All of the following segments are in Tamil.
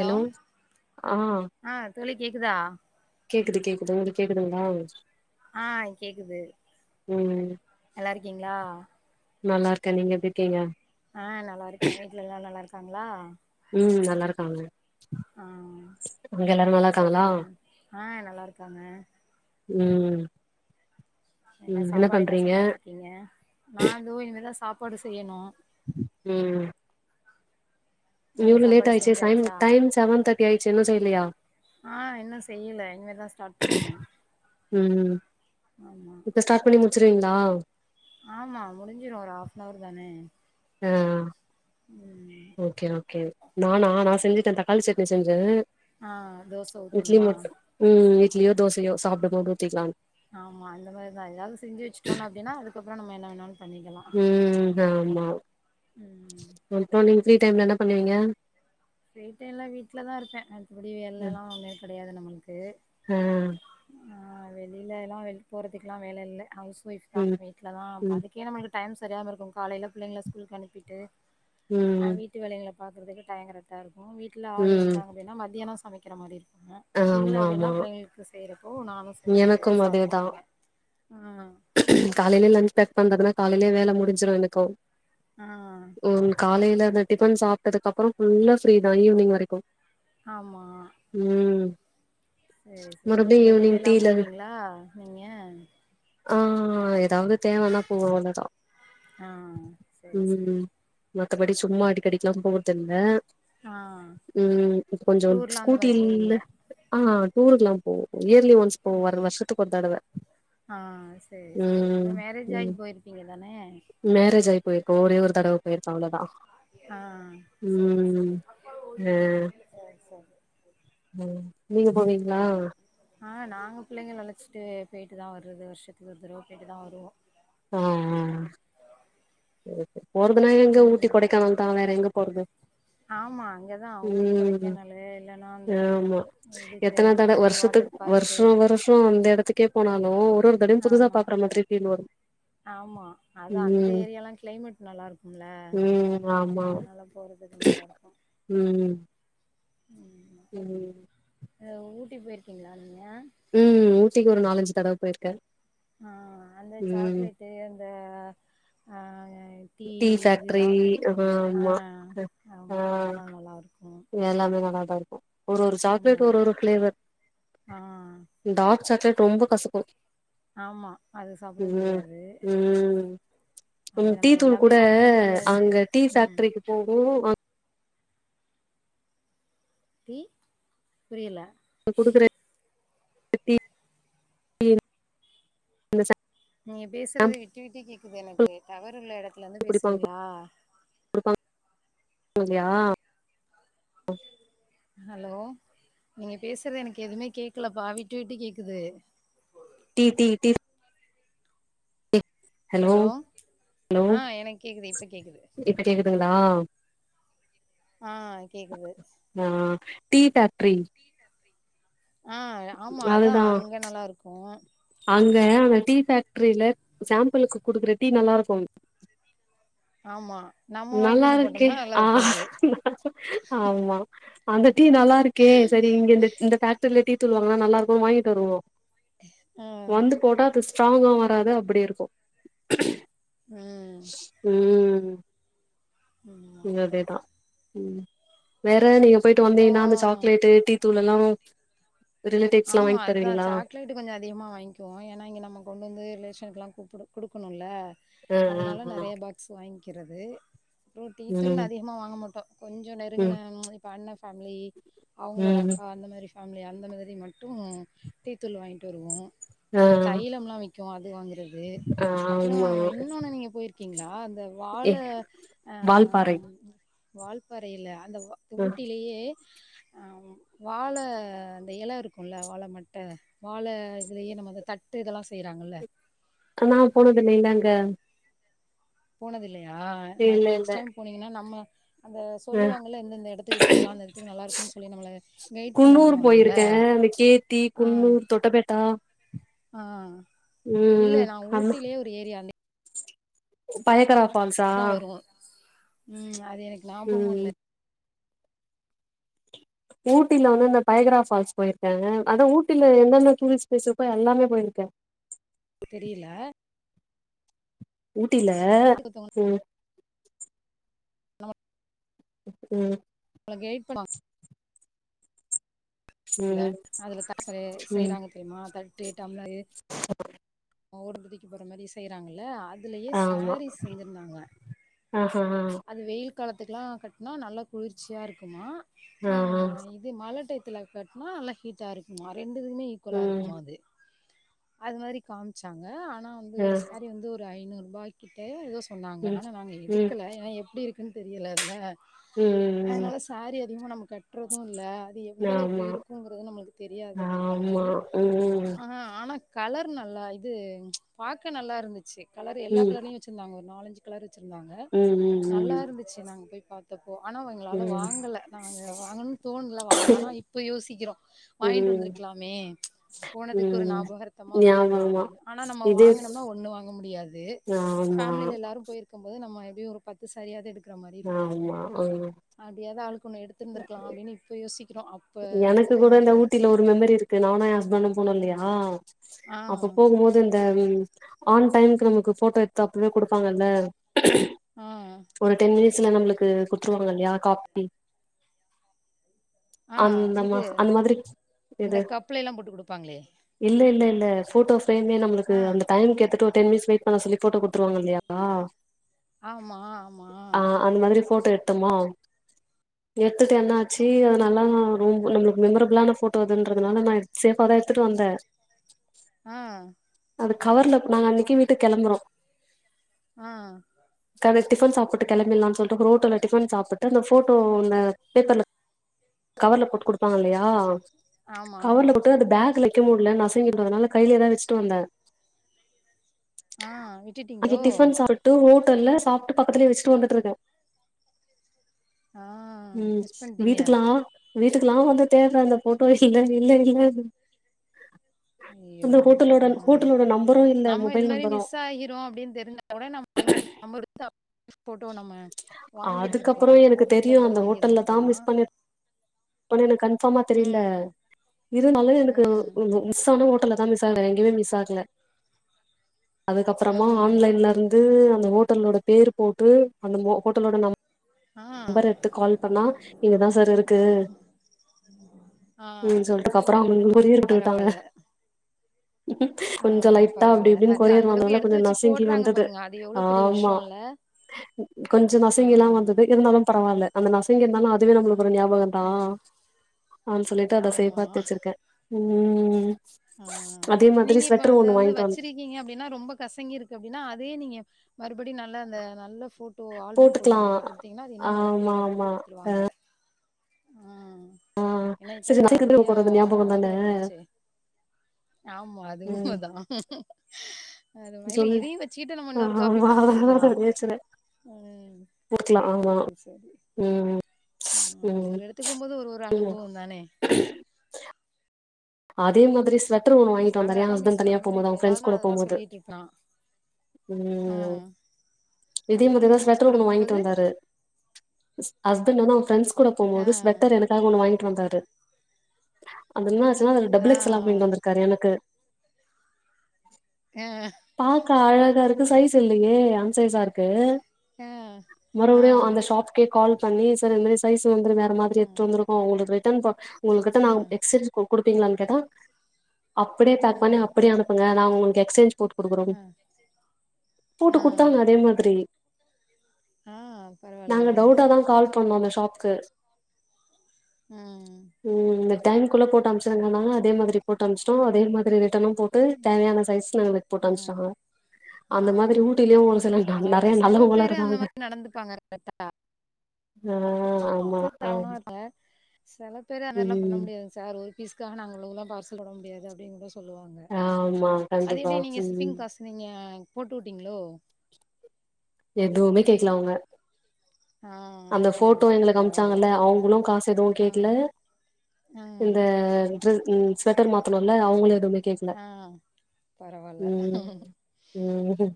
ஹலோ ஆ ஆ தோழி கேக்குதா கேக்குது கேக்குது உங்ளுக் கேக்குதுங்களா ஆ கேக்குது ம் நல்லாருக்கிங்ளா நல்லா இருக்கேன் நீங்க எப்டி இருக்கீங்க ஆ நல்லா இருக்கேன் வீட்டு்ல எல்லாரும் நல்லா இருக்காங்களா ம் நல்லா இருக்காங்க ஆ அங்க எல்லாரு செரி நல்லா இருக்காங்களா சொல்லுங்க ஆ நல்லா இருக்காங்க உம் என்ன சாப்பாடு என்னா செஞ்சுட்டு இருக்கீங்க நா இதோ இனிமேதான் சாப்பாடு செய்யணும் ம் நீங்க இவ்ளோ லேட் சாப்பாடு ஆயிச்சு சைம் செஞ்சாச்சா டைம் செவன் தேர்டி ஆயிச்சு இன்னும் செய்லையா ஆ இன்னும் செய்யில இனிமேதான் ஸ்டார்ட் பண்ணனும் உம் இப்ப ஸ்டார்ட் பண்ணி முடிச்சிருவீங்களா ஆமாம் முடிஞ்சிரும் ஒரு ஹாஃப் அன் ஹவர் தானே ஆ உம் ஓகே ஓகே நானா நா செஞ்சுட்டேன் தக்காளி சட்னி செஞ்சே ஆ தோச இட்லி ஊத்தன்மா மட்டு ம் இட்லியோ தோசையோ சாப்டும்போது ஊத்திக்கலாம்னு ஆமா அந்த மாதிதா ஏதாவ்து செஞ்சு வச்சுட்டோம் அப்டின்னா அதுக்கப்புறம் என்ன வேணாலும் ம் ஆமா ம் மொத்தொ நீங்க ஃப்ரீ டைம்ல என்ன பண்ணுவீங்க ஃப்ரீ டைம்ல்லாம் வீட்டுல தான் இருப்பேன் அடுத்தபடி வேல எல்லாம் ஒன்னுமே கிடையாது நம்மளுக்கு ஆ ஆ வெளியில எல்லாம் வெ போறதுக்குல்லாம் வேல இல்ல ஹவுஸ் ஒய்ஃப் தா ம் வீட்ல தா ப ம் அதுக்கே நம்மளுக்கு டைம் சரியாம இருக்கும் காலையில பிள்ளைங்கள ஸ்கூல்க்கு அனுப்பிட்டு உம் அ வீட்டு வேலைகள பாக்கறதுக்கு டைம் கரெக்டாக இருக்கும் வீட்டில் ஆள் ம் இருந்தா அப்டின்னா மத்தியானம் சமைக்கிற மாரிக்கு ஆ இல்ல ஆமா அப்படின்னா ஆமா பிள்ளைங்களுக்கு செய்யறப்போ நானும் செஞ்சு எனக்கும் சாப்ட்டுக்குவேன் ஆ காலையிலயே லன்ச் பேக் பண்றதுன்னா காலையிலயே வேலை முடிஞ்சிடும் எனக்கும் ஆ ம் காலைல அந்த டிஃபன் சாப்பிட்டதுக்கு அப்புறம் ஃபுல்ல ஃப்ரீ தான் ஈவினிங் வரைக்கும் ஆமா உம் செரி செரி வெளியிலலாம் போவீங்களா நீங்க ஆ ஏதாவது தேவனா போவ அவ்ளோதான் ஆ சேரி சேரி உம் மத்தபடி சும்மா அடிக்கடிக்கெல்லாம் போர்துல்ல ஆ உம் இ கொஞ்சம் டூர்லா அந்த மாரி ஸ்கூட்டில்ல போவீங்க ஆ டூருக்குல்லாம் போவோம் இயர்லி ஒன்சு போவோம் வருஷத்துக்கு ஒரு தடவ ஆ செரி செரி இப்ப ம் மேரேஜ் ஆகி ம் போயிருப்பீங்க தானே மேரேஜ் ஆயி போயிருக்கோ ஒரே ஒரு தடவ போயிருக்கோ அவ்ளோதான் ஆ செரி செரி ஆ செரி செரி ம் நீங்க போவீங்ளா ஆ நாங்க புள்ளைங்க அழச்சிட்டு போயிட்டு தான் வருறது வருஷத்துக்கு ஒரு தடவ போயிட்டு தான் வருவோம் ஆ ஆ செர் செ போறதுனா எங்க ஊட்டி ம் கொடைக்கானல் தான் வேற எங்க போறது ஆமாம் அங்க தா ஊட்டி ம் கொடைக்கானலு இல்லன்னா அந்த இதுக்கு இந்த மாரி வாட்டரு வர்ஷோ வருஷோ அந்த எடத்துக்கே போனாலு ஒரு ஒரு தடவ்யு ம் புதுசா ஆமா பாக்குற மாத்ரி ஃபீல் வரு ஆமா அது அந்த ம் ஏரியாலா க்ளைமேட் நல்லாருக் ம்ல ம் அத்னால போறதுக் நல்லாருக்கு ம்ம் ம் ம் அ ஊட்டி போய்ருக்கீங்ளா நீங்க ம் ஊட்டிக் ஒரு நாலஞ்சு தடவ போய்ருக்க ஆ அந்த சாக்லேட்டு அந்த அ டீ ஃபேக்ட்ரி இதுல்லா அப்டேட் பண்றி அ ஆமா ஆ ஆமா அதல்லா நல்லாருக்கு எல்லாமே நல்லாதா இருக்கு ஒரு ஒரு சாக்லேட் ஒரு ஒரு ஃப்ளேவர் ஆ டார்க் சாக்லேட் ரொம்ப கசக்கு ஆமா அது சாப்ட ம் முடியாது ம் அது ம் டீ நம்ம தூள் எல்லாமே கூட வாங்கவு முடியாது அங்க டீ ம் ஃப்க்ட்ரிக்கு போகு அங் டீ புரியல குடுக்குற டீ [inaudible] நீங்க பேசுறத சாம்பிள் விட்டு விட்டு கேக்குது எனக்கு டவர் உள்ள எடத்துல வந்து பேசுறீங்ளா குடுப்பாங் [inaudible] ஹலோ நீங்க பேசுறது எனக்கு எதுமே கேக்கலப்பா விட்டு விட்டு கேக்குது டீ டீ டீஃப் ஹலோ ஆ எனக் கேக்குது இப்ப கேக்குது ப கேக்குதுங்ளா ஆ கேக்குது ஆ டீ ஃபேக்டரி ஆ ஆமா அதா அதுதா அங்க நல்லாருக்கு அங்க அந்த டீ பேக்ட்ரில சாம்பிளுக்கு குடுக்குற டீ நல்லாருக்கு ஆமா நம்ம வாங்கிட்டு வந்து நல்லாருக்கே போட்டோம்னா நல்லா ஆ இருக்காது ஆமா அந்த டீ நல்லாருக்கே சரி இங்க இந்த ஃபேக்டரில டீ தூள் வாங்குனா நல்லாருக்கு வாங்கிட்டு வருவோ ம் வந்து போட்டா அது ஸ்ட்ராங்காவு வராது அப்புடே இருக்கு ம் ம் ஆமா இங் அதேதா ம் வேற நீங்க போயிட்டு அப்புறோ வந்தீங்கன்னா அந்த சாக்லேட்டு் டீத் தூளல்லா ரிலேட்டிக்ஸ்லா வாங் தருவீங்ளா ட்டு கொஞ்ச அதிகமாக வாங்கிவோ ஏன்னா இங்க நம்ம கொண்டு வந்து ரிலேஷனுக்குலா கூப்புடு குடுக்கணுல்ல ஆ ஆ அதுனால ஆ நறைய பாக்ஸு வாங்க்கிறது அப்றோ டீ தூள் ம் அதிகமா வாங்க மாட்டோ கொஞ்சோ ம் நெருங்குனனோ இப்ப அண்ண ஃபேம்லி அவங்ளோட ம் அக்கா அந்த மாரிஃபேமிலி அந்த மாதுரி மட் டு டீ தூள் வாங்கிட்டு வருவோ ஆ அப்புறோ தைலம்லா விக்கு அது வாங்குறது ஆ அப்புறோ ஆமா இன்னொன்னு நீங்க போய்ருக்கீங்ளா அந்த ஏ வாழை அ வால்பாறை வால்பாறையில அந்த வ து ஆ ஊட்டிலயே அ வாழை அந்த இல இருக் குல்ல வாழை மட்ட வாழை இதுலயே நம்ம அத தட்டு இதெல்லா செய்றாங்கல்ல அ நா போனதுல இல்லங்க போனதுல்லயா ம இல்ல இல்ல நெக்ஸ்ட் டைம் போனீங்கன்னா நம்ம அந்த ஆ சொல்லுவாங்கல எந்தந்த எடத்துக்கு போலா அந்த எடத்துக் நல்லாருக்குன் சொல்லி நம்மள கைட் பண்ண குன்னூர் வருவாங்கல்ல போயிருக்க அந்த கேத்தி ஆ குன்னூர் தொட்டபேட்டா ஆ இல்ல ம் நா ஊட்டிலேயே ஒரு ஏரியா அந்த பய கரா அதா வருவா ம் அது எனக்கு நாபகோ ம் இல்ல ஊட்டில வந்து இந்த ஃபையகரா ஃபால்ஸ் போயிருக்கே அதா ஊட்டில எந்தென்ன டூரிஸ்ட் பிளேஸ் இருக்கோ எல்லாமே போயிருக்கே தெரில ஊட்டில ம் ம் உங்கள கெய்ட் பண்ணு இருக்குல்ல ம் அதுல தாஸ்சரு ம் செய்றாங்க தெரியுமா தட்டு டம்ளரு ஓறபதிக்கு போற மாரி செய்றாங்கல்ல இதுலயே ஆமா சாரீ செஞ்சிருந்தாங்கலா ஆ ஹா அது வெயில் காலத்துக்குலா கட்னா நல்லா குளுர்ச்சியா இருக்குமா ஆ இது மழ டை த்ல கட்னா நல்லா ஹீட்டா இருக்குமா ரெண்டு இதுமே ஈக்வலா ம் இருக்குமா அது மாரி காம்ச்சாங்க ஆனா வந்து ஆ ஒரு சாரி வந்து ஒரு ஐநூறு ரூபாய் கிட்ட எதோ சொன்னாங்க ம் ஆனா நாங்க ம் எடுக்கல ஏனா எப்டி இருக்குன் தெரில அதுல ம் ம் ம் அதுனால சாரி அதிகமா நம்ம கட்றது இல்ல இது எந்த அளவுக்கு ஆமா இருக்குங்கறது நமளுக்கு தெரியாது அப்டிங்கிற ஆமா மாரி ம் ஆ ஆனா கலர் டு நல்லா இது பாக்க நல்லா இருந்துச்சு கலர் எல்லா ம் கலர்லயு வச்சுருந்தாங்க ஒரு நாலஞ்சு கலர் வச்சுருந்தாங்க நல்லா ம் இருந்துச்சு நாங்க போய் பாத் துக்கோ ஆனா ம் எங்களால ம் வாங்கல நாங்க வாங்கணுனு தோணல வாங்கல ஆனா இப்ப யோசிக்கிறோ வாங்கிட்டு ம் வந்திருக்கலாமே போனதுக்கு ஒரு ம் ம் நாபகார்த்தமா வந்துருக் லா ஆமாமா அப்டின்னு ஆனா நம்ம இது வாங்கனம்னா ஒண்ணு வாங்க முடியாது ஆமா ஃபேம்லீல எல்லாரு போயிரு க்கும் போது நம்ம எப்டியு ஒரு பத்து சாரியாவது எடுக்குற மாரி இருக்கு ஆமா ம் அப்டியாவது ஆளுக்கொண்ணு எடுத்திருந்துருக்கலா அப்டின் இப்ப யோசிக்கிறோ அப் எனக்கு கூட இந்த ஊட்டில ஒரு மெமரி இருக்கு நானு எ ஹஸ்பண்ட போனோ இல்லயா ஆ அப்ப போகும் போது அது இந்த வீம் ஆன் டைம்க்கு நமக்கு ஃபோட்டோ எடுத்து அப்பவே குடுப்பாங்கல்ல ஆ அ ஒரு டென் மினிட்ஸ்ல நம்மளுக்கு குடுத்துருவாங்க இல்லயா காப்பி ஆ அந்தமா இது அந்த மாரி இந்த எது கப்ல எல்லா போட்டு குடுப்பாங்களே இல்ல இல்ல இல்ல ஃபோட்டோ ஃப்ரேமே நம்மளுக்கு ஆ அந்த டைம் கேத்துட்டு டென் மினிட்ஸ் வெய்ட் பண்ண சொல்லி ஃபோட்டோ குடுத்துருவாங்க இல்லயா ஆமா, ஆமா. ஆ அந்த மாரி ஃபோட்டோ எ த்தமா எடுத்துட்டு என்ன ஆச்சு அது நல்லா அ ரொம்ப நம்மளுக்கு மெமரபிளான ஃபோட்டோ அதுன்றதுனால நா சேஃபா தா எடுத்துட்டு வந்தே அ அது கவர்ல நாங்க அன்னக்கி வீட்டுக் கெளம்புறோ ஆ காலேல டிஃபன் சாப்ட்டு கெளம்பிற்லான் சொல்ட்டு ஒரு ஹோட்டல்ல டிஃபன் சாப்புட்டு அந்த போட்டோ அந்த பேப்பர்ல கவர்ல போட்டு குடுப்பாங்க இல்லயா ஆமா. கவர்ல போட்டு அது பேக்லை வக்க முடில நசுங்கிரு அதுனால கைலயே தா வச்சுட்டு வந்தே ஆ, அங்க விட்டுட்டீங்களோ? டிஃபன் சாப்ட்டு ஹோட்டல்ல சாப்ட்டு பக்கத்துலயே வச்சுட்டு வந்துட்ருக்கே ஆ, ம் மிஸ் பண்ட்டீங்க. வீட்டுக்லா வீட்டுக்கெலா வந்து தேடுற அந்த போட்டோ இல்ல இல்ல இல்லன்னு ஐயோ ஹோட்டலோட ஆ ஹோட்டலோட நம்பரு இல்ல நம்ம இது மொபைல் மாரி நம்பரு மிஸ் ஆகிறோ அப்டின்னு தெரிஞ்ச [inaudible] [inaudible] போட்டோ நம்ம வாங்கிருந்திருக்கலா அதுக்கப்புறோ எனக்கு மொபைல்ல தெரியு கூட அந்த வாங்கிருந்திருக்கலா ஆனா எனக்கு கன்ஃபர்மா தெரியில இருந்தாலு எனக்கு ம், மிஸ் ஆன ஹோட்டல தா மிஸ் [unintelligible] வேற எங்கயமே மிஸ் ஆகல அதுக்கப்புறமா ம். ஆன்லைன்லருந் து அந்த ஹோட்டலோட பேரு போட்டு அந்த மோ ஹோட்டலோட நம் ஆ, பர் எடுத்து கால் பண்ணா இங்கதா சார் ஆ, இருக்கு ஆ. ம் சொல்லட்டுதுக்கு அப்பறோ அவுங்கங்க கோரியர் போட்டு விட்டாங்க பரவால்ல. ஆ, கொஞ்சோ லைட்டா அப்டி பரவால்ல. இப்டின்னு அது கோரியர் அந்த அளவுக்கு வந்ததுல கொஞ்சோ எடுத்து வச்சு நசுங்கி போடுறாங்க வந்தது பாருங்க. அது எவ்ளோ பெரிய ஆமா விஷயம்ல. உம் கொஞ்சோ ஆ, நசங்கி எல்லா வந்தது இருந்தாலு பரவால்ல அந்த நசங்கி இருந்தாலு அதுவே அ, நம்மளுக்கு ஒரு ஞாபகோ தா ம். ஆ சொல்லிட்டு அத செய் ஆமா. பாத்து வச்சிருக்கே ம் ஆ அதே மாதிரி நீங்க இப்போ ஸ்வெட்டர் அத ஒண்ணு வந்து வாங்கிட்டு வந் வச்சிரி கிங்க அப்டின்னா ரொம்ப கசங்கி இருக்கு அப்டின்னா அதே நீங்க மறுபடி நல்ல அந்த நல்ல போ ட்டோ ஆல்பம் போட்டுக்கலா போடுறவங்களிட்ட குடுத்தீங்கன்னா அது இன்னு நல்லா ஆமா கிளியரா போட்டு ஆமா குடுத்துருவாங்க ம் ஏன்னா இப்பதா சரி நெறைய ஞாபகந்தான இது வந்துருச்சே ஆமா அது ம் உண்மதா அதுமா இல்ல சொல்லு இதையு வச்சுகிட்ட நம்ம இன்னோரு காப்பி ஆமா கூட போட்டுக்கலா அதனாலதா அப்டியே வச்சிருக்கே [unintelligible] போட்டுக்கலா ஆமா சேரி செரி ம் ம் ஒரு ஒரு எடத்துக்கு போபோது ஒரு ஒரு ம் அனுபவோ தானே அதே மாதிரி ஸ்வட்டரு ஒண்ண வாங்கிட்டு நாங்க வந்தாரு ஏ அதா ஹஸ்பண்ட் மிஸ் தனியா பண்றோமேன்னு போமோது இப்ப அவ்ங்க ஃப்ரெண்ட்ஸ் ஏதாவதுனா கூட போ அததா போது சொல்லிட்டு இருப்பா ஆ ம் இதே மாரிதா ஃப்ரெண்ட்ஸ் ஸ்வட்டரு கூட ஒண்ணு வாங்கிட்டு போம்போது வந்தாரு ஹஸ்பண்ட் வந்து அவுங்க ஃப்ரண்ட்ஸ்ஸு கூட ஆ போபோது ஸ்ட்டர் எனக் காக ஒன்னு வாங்கிட்டு வந்தாரு அது என்ன ஆச்சுனா அதுல ஆ ஆ டபுள் எக்ஸ் எல் லா வாங்கிட்டு வந்திருக்காரு எனக்கு ஆ பாக்க அழகா இருக்கு சைஸ்ஸு இல்லையே அன்சைசா இருக் கு ஆ ஆ மறுபடியு அந்த ஷாப் கே கால் பண்ணி சார் இந்தமாரி சைஸ் வந்து வேற மாதிரி எடுத்ட்டு வந்துருக்கோ உங்களுக்கு ரிட்டர்ன் பண் உங்களுக்கு ரிட்டன் ஆ ஆவு எக்சேஞ்ச் குடுப்பீங்களனு கேட்டா அப்டியே ஆ பேக் பண்ணி அப்டியே அனுப்புங்க நா உங்களுக்கு எக்சேஞ் போட்டு குடுக்குறோ ஆ போட்டு ஆ குடுத்தாங்க அதே மாதிரி ஆ நாங்க பரவாயில்லையே டவுட்ட தா கால் பண்ணோ அந்த ஷாப்கு ம் ம் இந்த டைம்குள்ள போட்டு அம்ச்சுருாங்கன்னா அதே மாதிரி போட்டு அம்ச்சட்டோ அத மாதிரி ரிட்டர்னு போட் டு தேவையான சைஸ்ஸு [unintelligible] போட்டு ம் அனுச்சிட்டாங்க ஆ அந்த மாதிரி ஊட்டிலயு ஒரு சில நல் பரவால்ல நெறைய சில நல்லவங்களு பேரு அந்த இருக்காங்க மாரி நடந்துப்பாங்க ஆ ஆமா [inaudible] செல பேரு அதனால்லா பண்ண ம் முடியாது சார் ஒரு பீஸ்காக நாங்கள் இவ்ளோதுல்லா பார்சல் போட முடியாது அப்டின் கூட சொல்லுவா ங்க ஆமா அது கண்டிப்பா எடி நீங்க ம் சிப்பிங் காசு நீங்க போட்டு வுட்டீங்களோ எதுவுமே கேக்குலா அவுங்க ஆ அந்த செரி போட்டோ செரி எங்களுக்கு பரவால்ல அமிச்சாங்கல்ல அவுங்களு காசு எதுவு ஆ கேக்கல ஆ இந்த டிர ம் ஸ்வெட்டர் மாத்தணம்ல்ல அவுங்கள எதுவுமே கேக் ஆ பரவால்ல ம்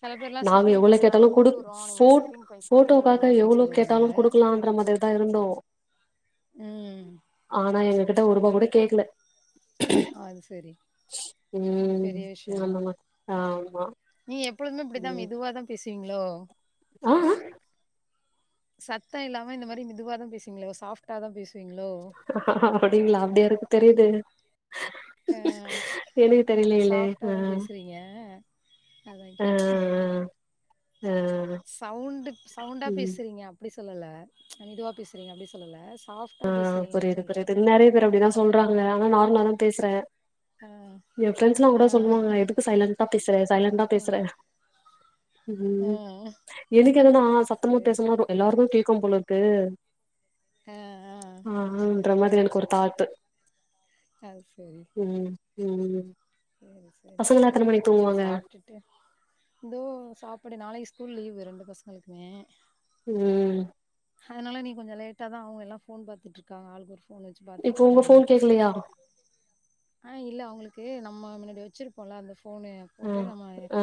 சில பேர்லா நாங்க ஷிப்பிங் எவ்வள பைசா நாங்க கேட்டாலு போட்டு குடுக் வுட்றோ நீங்க போ ஷிப்பிங் பைசா போட்டு போட்டோக்காக வுடுங்க அப்டின்னு எவ்வளோ சொல்லுவாங்க கேட்டா [unintelligible] குடுக்கலான்ற மாரி தான் இருந்தோ ம் ஆனா எங்க கிட்ட ஒரு ரூபா கூட கேக்கல அது சரி அது ம் ஆமா ஆ ஆமா நீ எப்பழுமே இப்டிதான் இதுவா தான் பேசுவீங்களோ அ ஆ சத்தம் இல்லாம இந்த மாரி மெதுவாாதா பேசுவீங்களோ சாஃப்ட்டா தா பேசுவீங்களோ அப்டிங்களா அப்படியாக்கு தெரியுது ஆ எனக்கு இல்ல தெரிலல்ல ஆ சாஃப்டாதா பேசுறீங்க அதா ஆ கேட்டே ஆ ஆ சவுண்ட சவுண்டா ம் பேசுறீங்க அப்டி சொல்லல மிதுவா பேசுறீங்க அப்டி சொல்லல ஸாப்டா பேசுங்கன்னு சொல்றேன் நறைய பேர் அப்படிதான் செ சொல்றாங்க ஆனா நார்மலா தான் பேசுறேன் ஆ என் ஃரெண்ட்ஸ்லா ஆ கூட சொல்லுவங்க எதுக்கு சைலன்ண்டா பேசுறே சைலண்டா பேசுற ம் ஆ எனக்கு என்னனா சத்தமா சரி பேசனா சரி எல்லாருக்கு கேக்கும் போலர்க்கு ஆ ஆ ஆ ஆன்ற மாரி எனக்கு ஒரு தாட்டு அது சேரி ம் ம் ம் சரி பசங்கலா எத்தன மணிக்கு அப்ப தூங்குவாங்க சாப்ட்டு தோ சாப்பாடு நாளைக்கு ஸ்கூல் லீவு ரெண்டு பசங்களுக்குமே ம் அதனால நீ கொஞ்சம் லேட்டா தா ஆகும் எல்லாம் போன் பாத்துட்ருக்காங்க ஆளுக்கு ஒரு போன் போன் வச்சு இப்போ உங்க பாத்துட்ருக்காங்க ஃபோன் கேக்கலையா ஆ இல்ல அவங்களுக்கு நம்ம முன்னாடி வச்சிருப்போம்ல அந்த ஃபோனு ஆ போட்டு நம்ம ஆ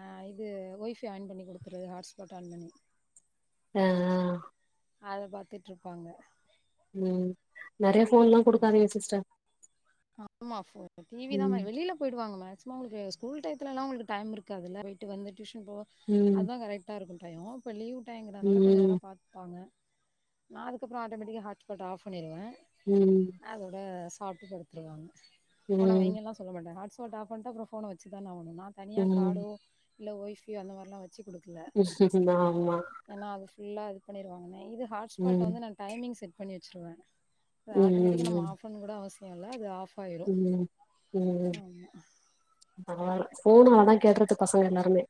ஆ இது ஒய் ஃபை ஆன் பண்ணி கொடுத்துருது ஹாட்ஸ்பாட் ஆன் பண்ணி ஆ அத பாத்துட்ருப்பாங்க ம் நறைய போன்லாம் ம் குடுக்காதீங்க சிஸ்டர் ஆமா ஃபோ டிவி தா ம் வெளில போயிடுவாங்க மேக்சிம சிமா அவங்களுக்கு ஸ்கூல் டயத்துல்லாம் அவங்களுக்கு டைம் இருக்காதுல்ல வீட்டு வந்து டியூஷன் போக ம் அதான் கரெக்ட இருக்கு டைம் இப்ப லீவுட்டாம்ங்கறனால கொஞ்ச ம் நேரம் பாத்துப்பாங்க நா அதுக்கப்றம் அட்டோமடிகா ஹா்ஸ்பட் ஆப் பண்ணிடுவேன் ம் அதோட சாப்ட்டு படுத்துடுவாங்க போன ம் வைங்கல்லாம் சொல்ல மாட்டேன் ஹட் ஆப் பன்னிட அப்புறம் போன வச்சு தான ஆகணும் நா தனியா ம் கார்டு இல்ல ஓய் ஃபை அந்த மாரிலாம் வச்சிகுடுக்கு ம் ஆமா ஏன்னா அது ஃபுல்லா இது பண்ணிருவாங்கன்னே இது ஹாட்ஸ்பாட்ட ம் வந்து நா டைமிங் செட் பண்ணி வச்சுருவேன் அது ம் ஆட்டோமேட்டிக்கா ம் நம்ம ஆஃப் பண்ண கூட அவசியம் இல்ல அது ஆஃப் ஆயிரும் ம் ஆமா பரவாயில்ல ஃபோன் ஆனா தான் கெட்டுறது பசங்க எல்லாருமே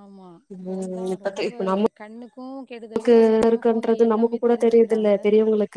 ஆமா ஃபோன் ம் தா இப்ப ரொம்ப இப்ப கண்ணுக்கும் கேடுதல் நமக்கு அது எல்லாம ஃபோன்ல இருக்குன்றது நமக்கு எல்லாமே கூட தெரியுத தெரிஞ்சுக்கிறாங்க இல்ல பெரியவங்களுக்கு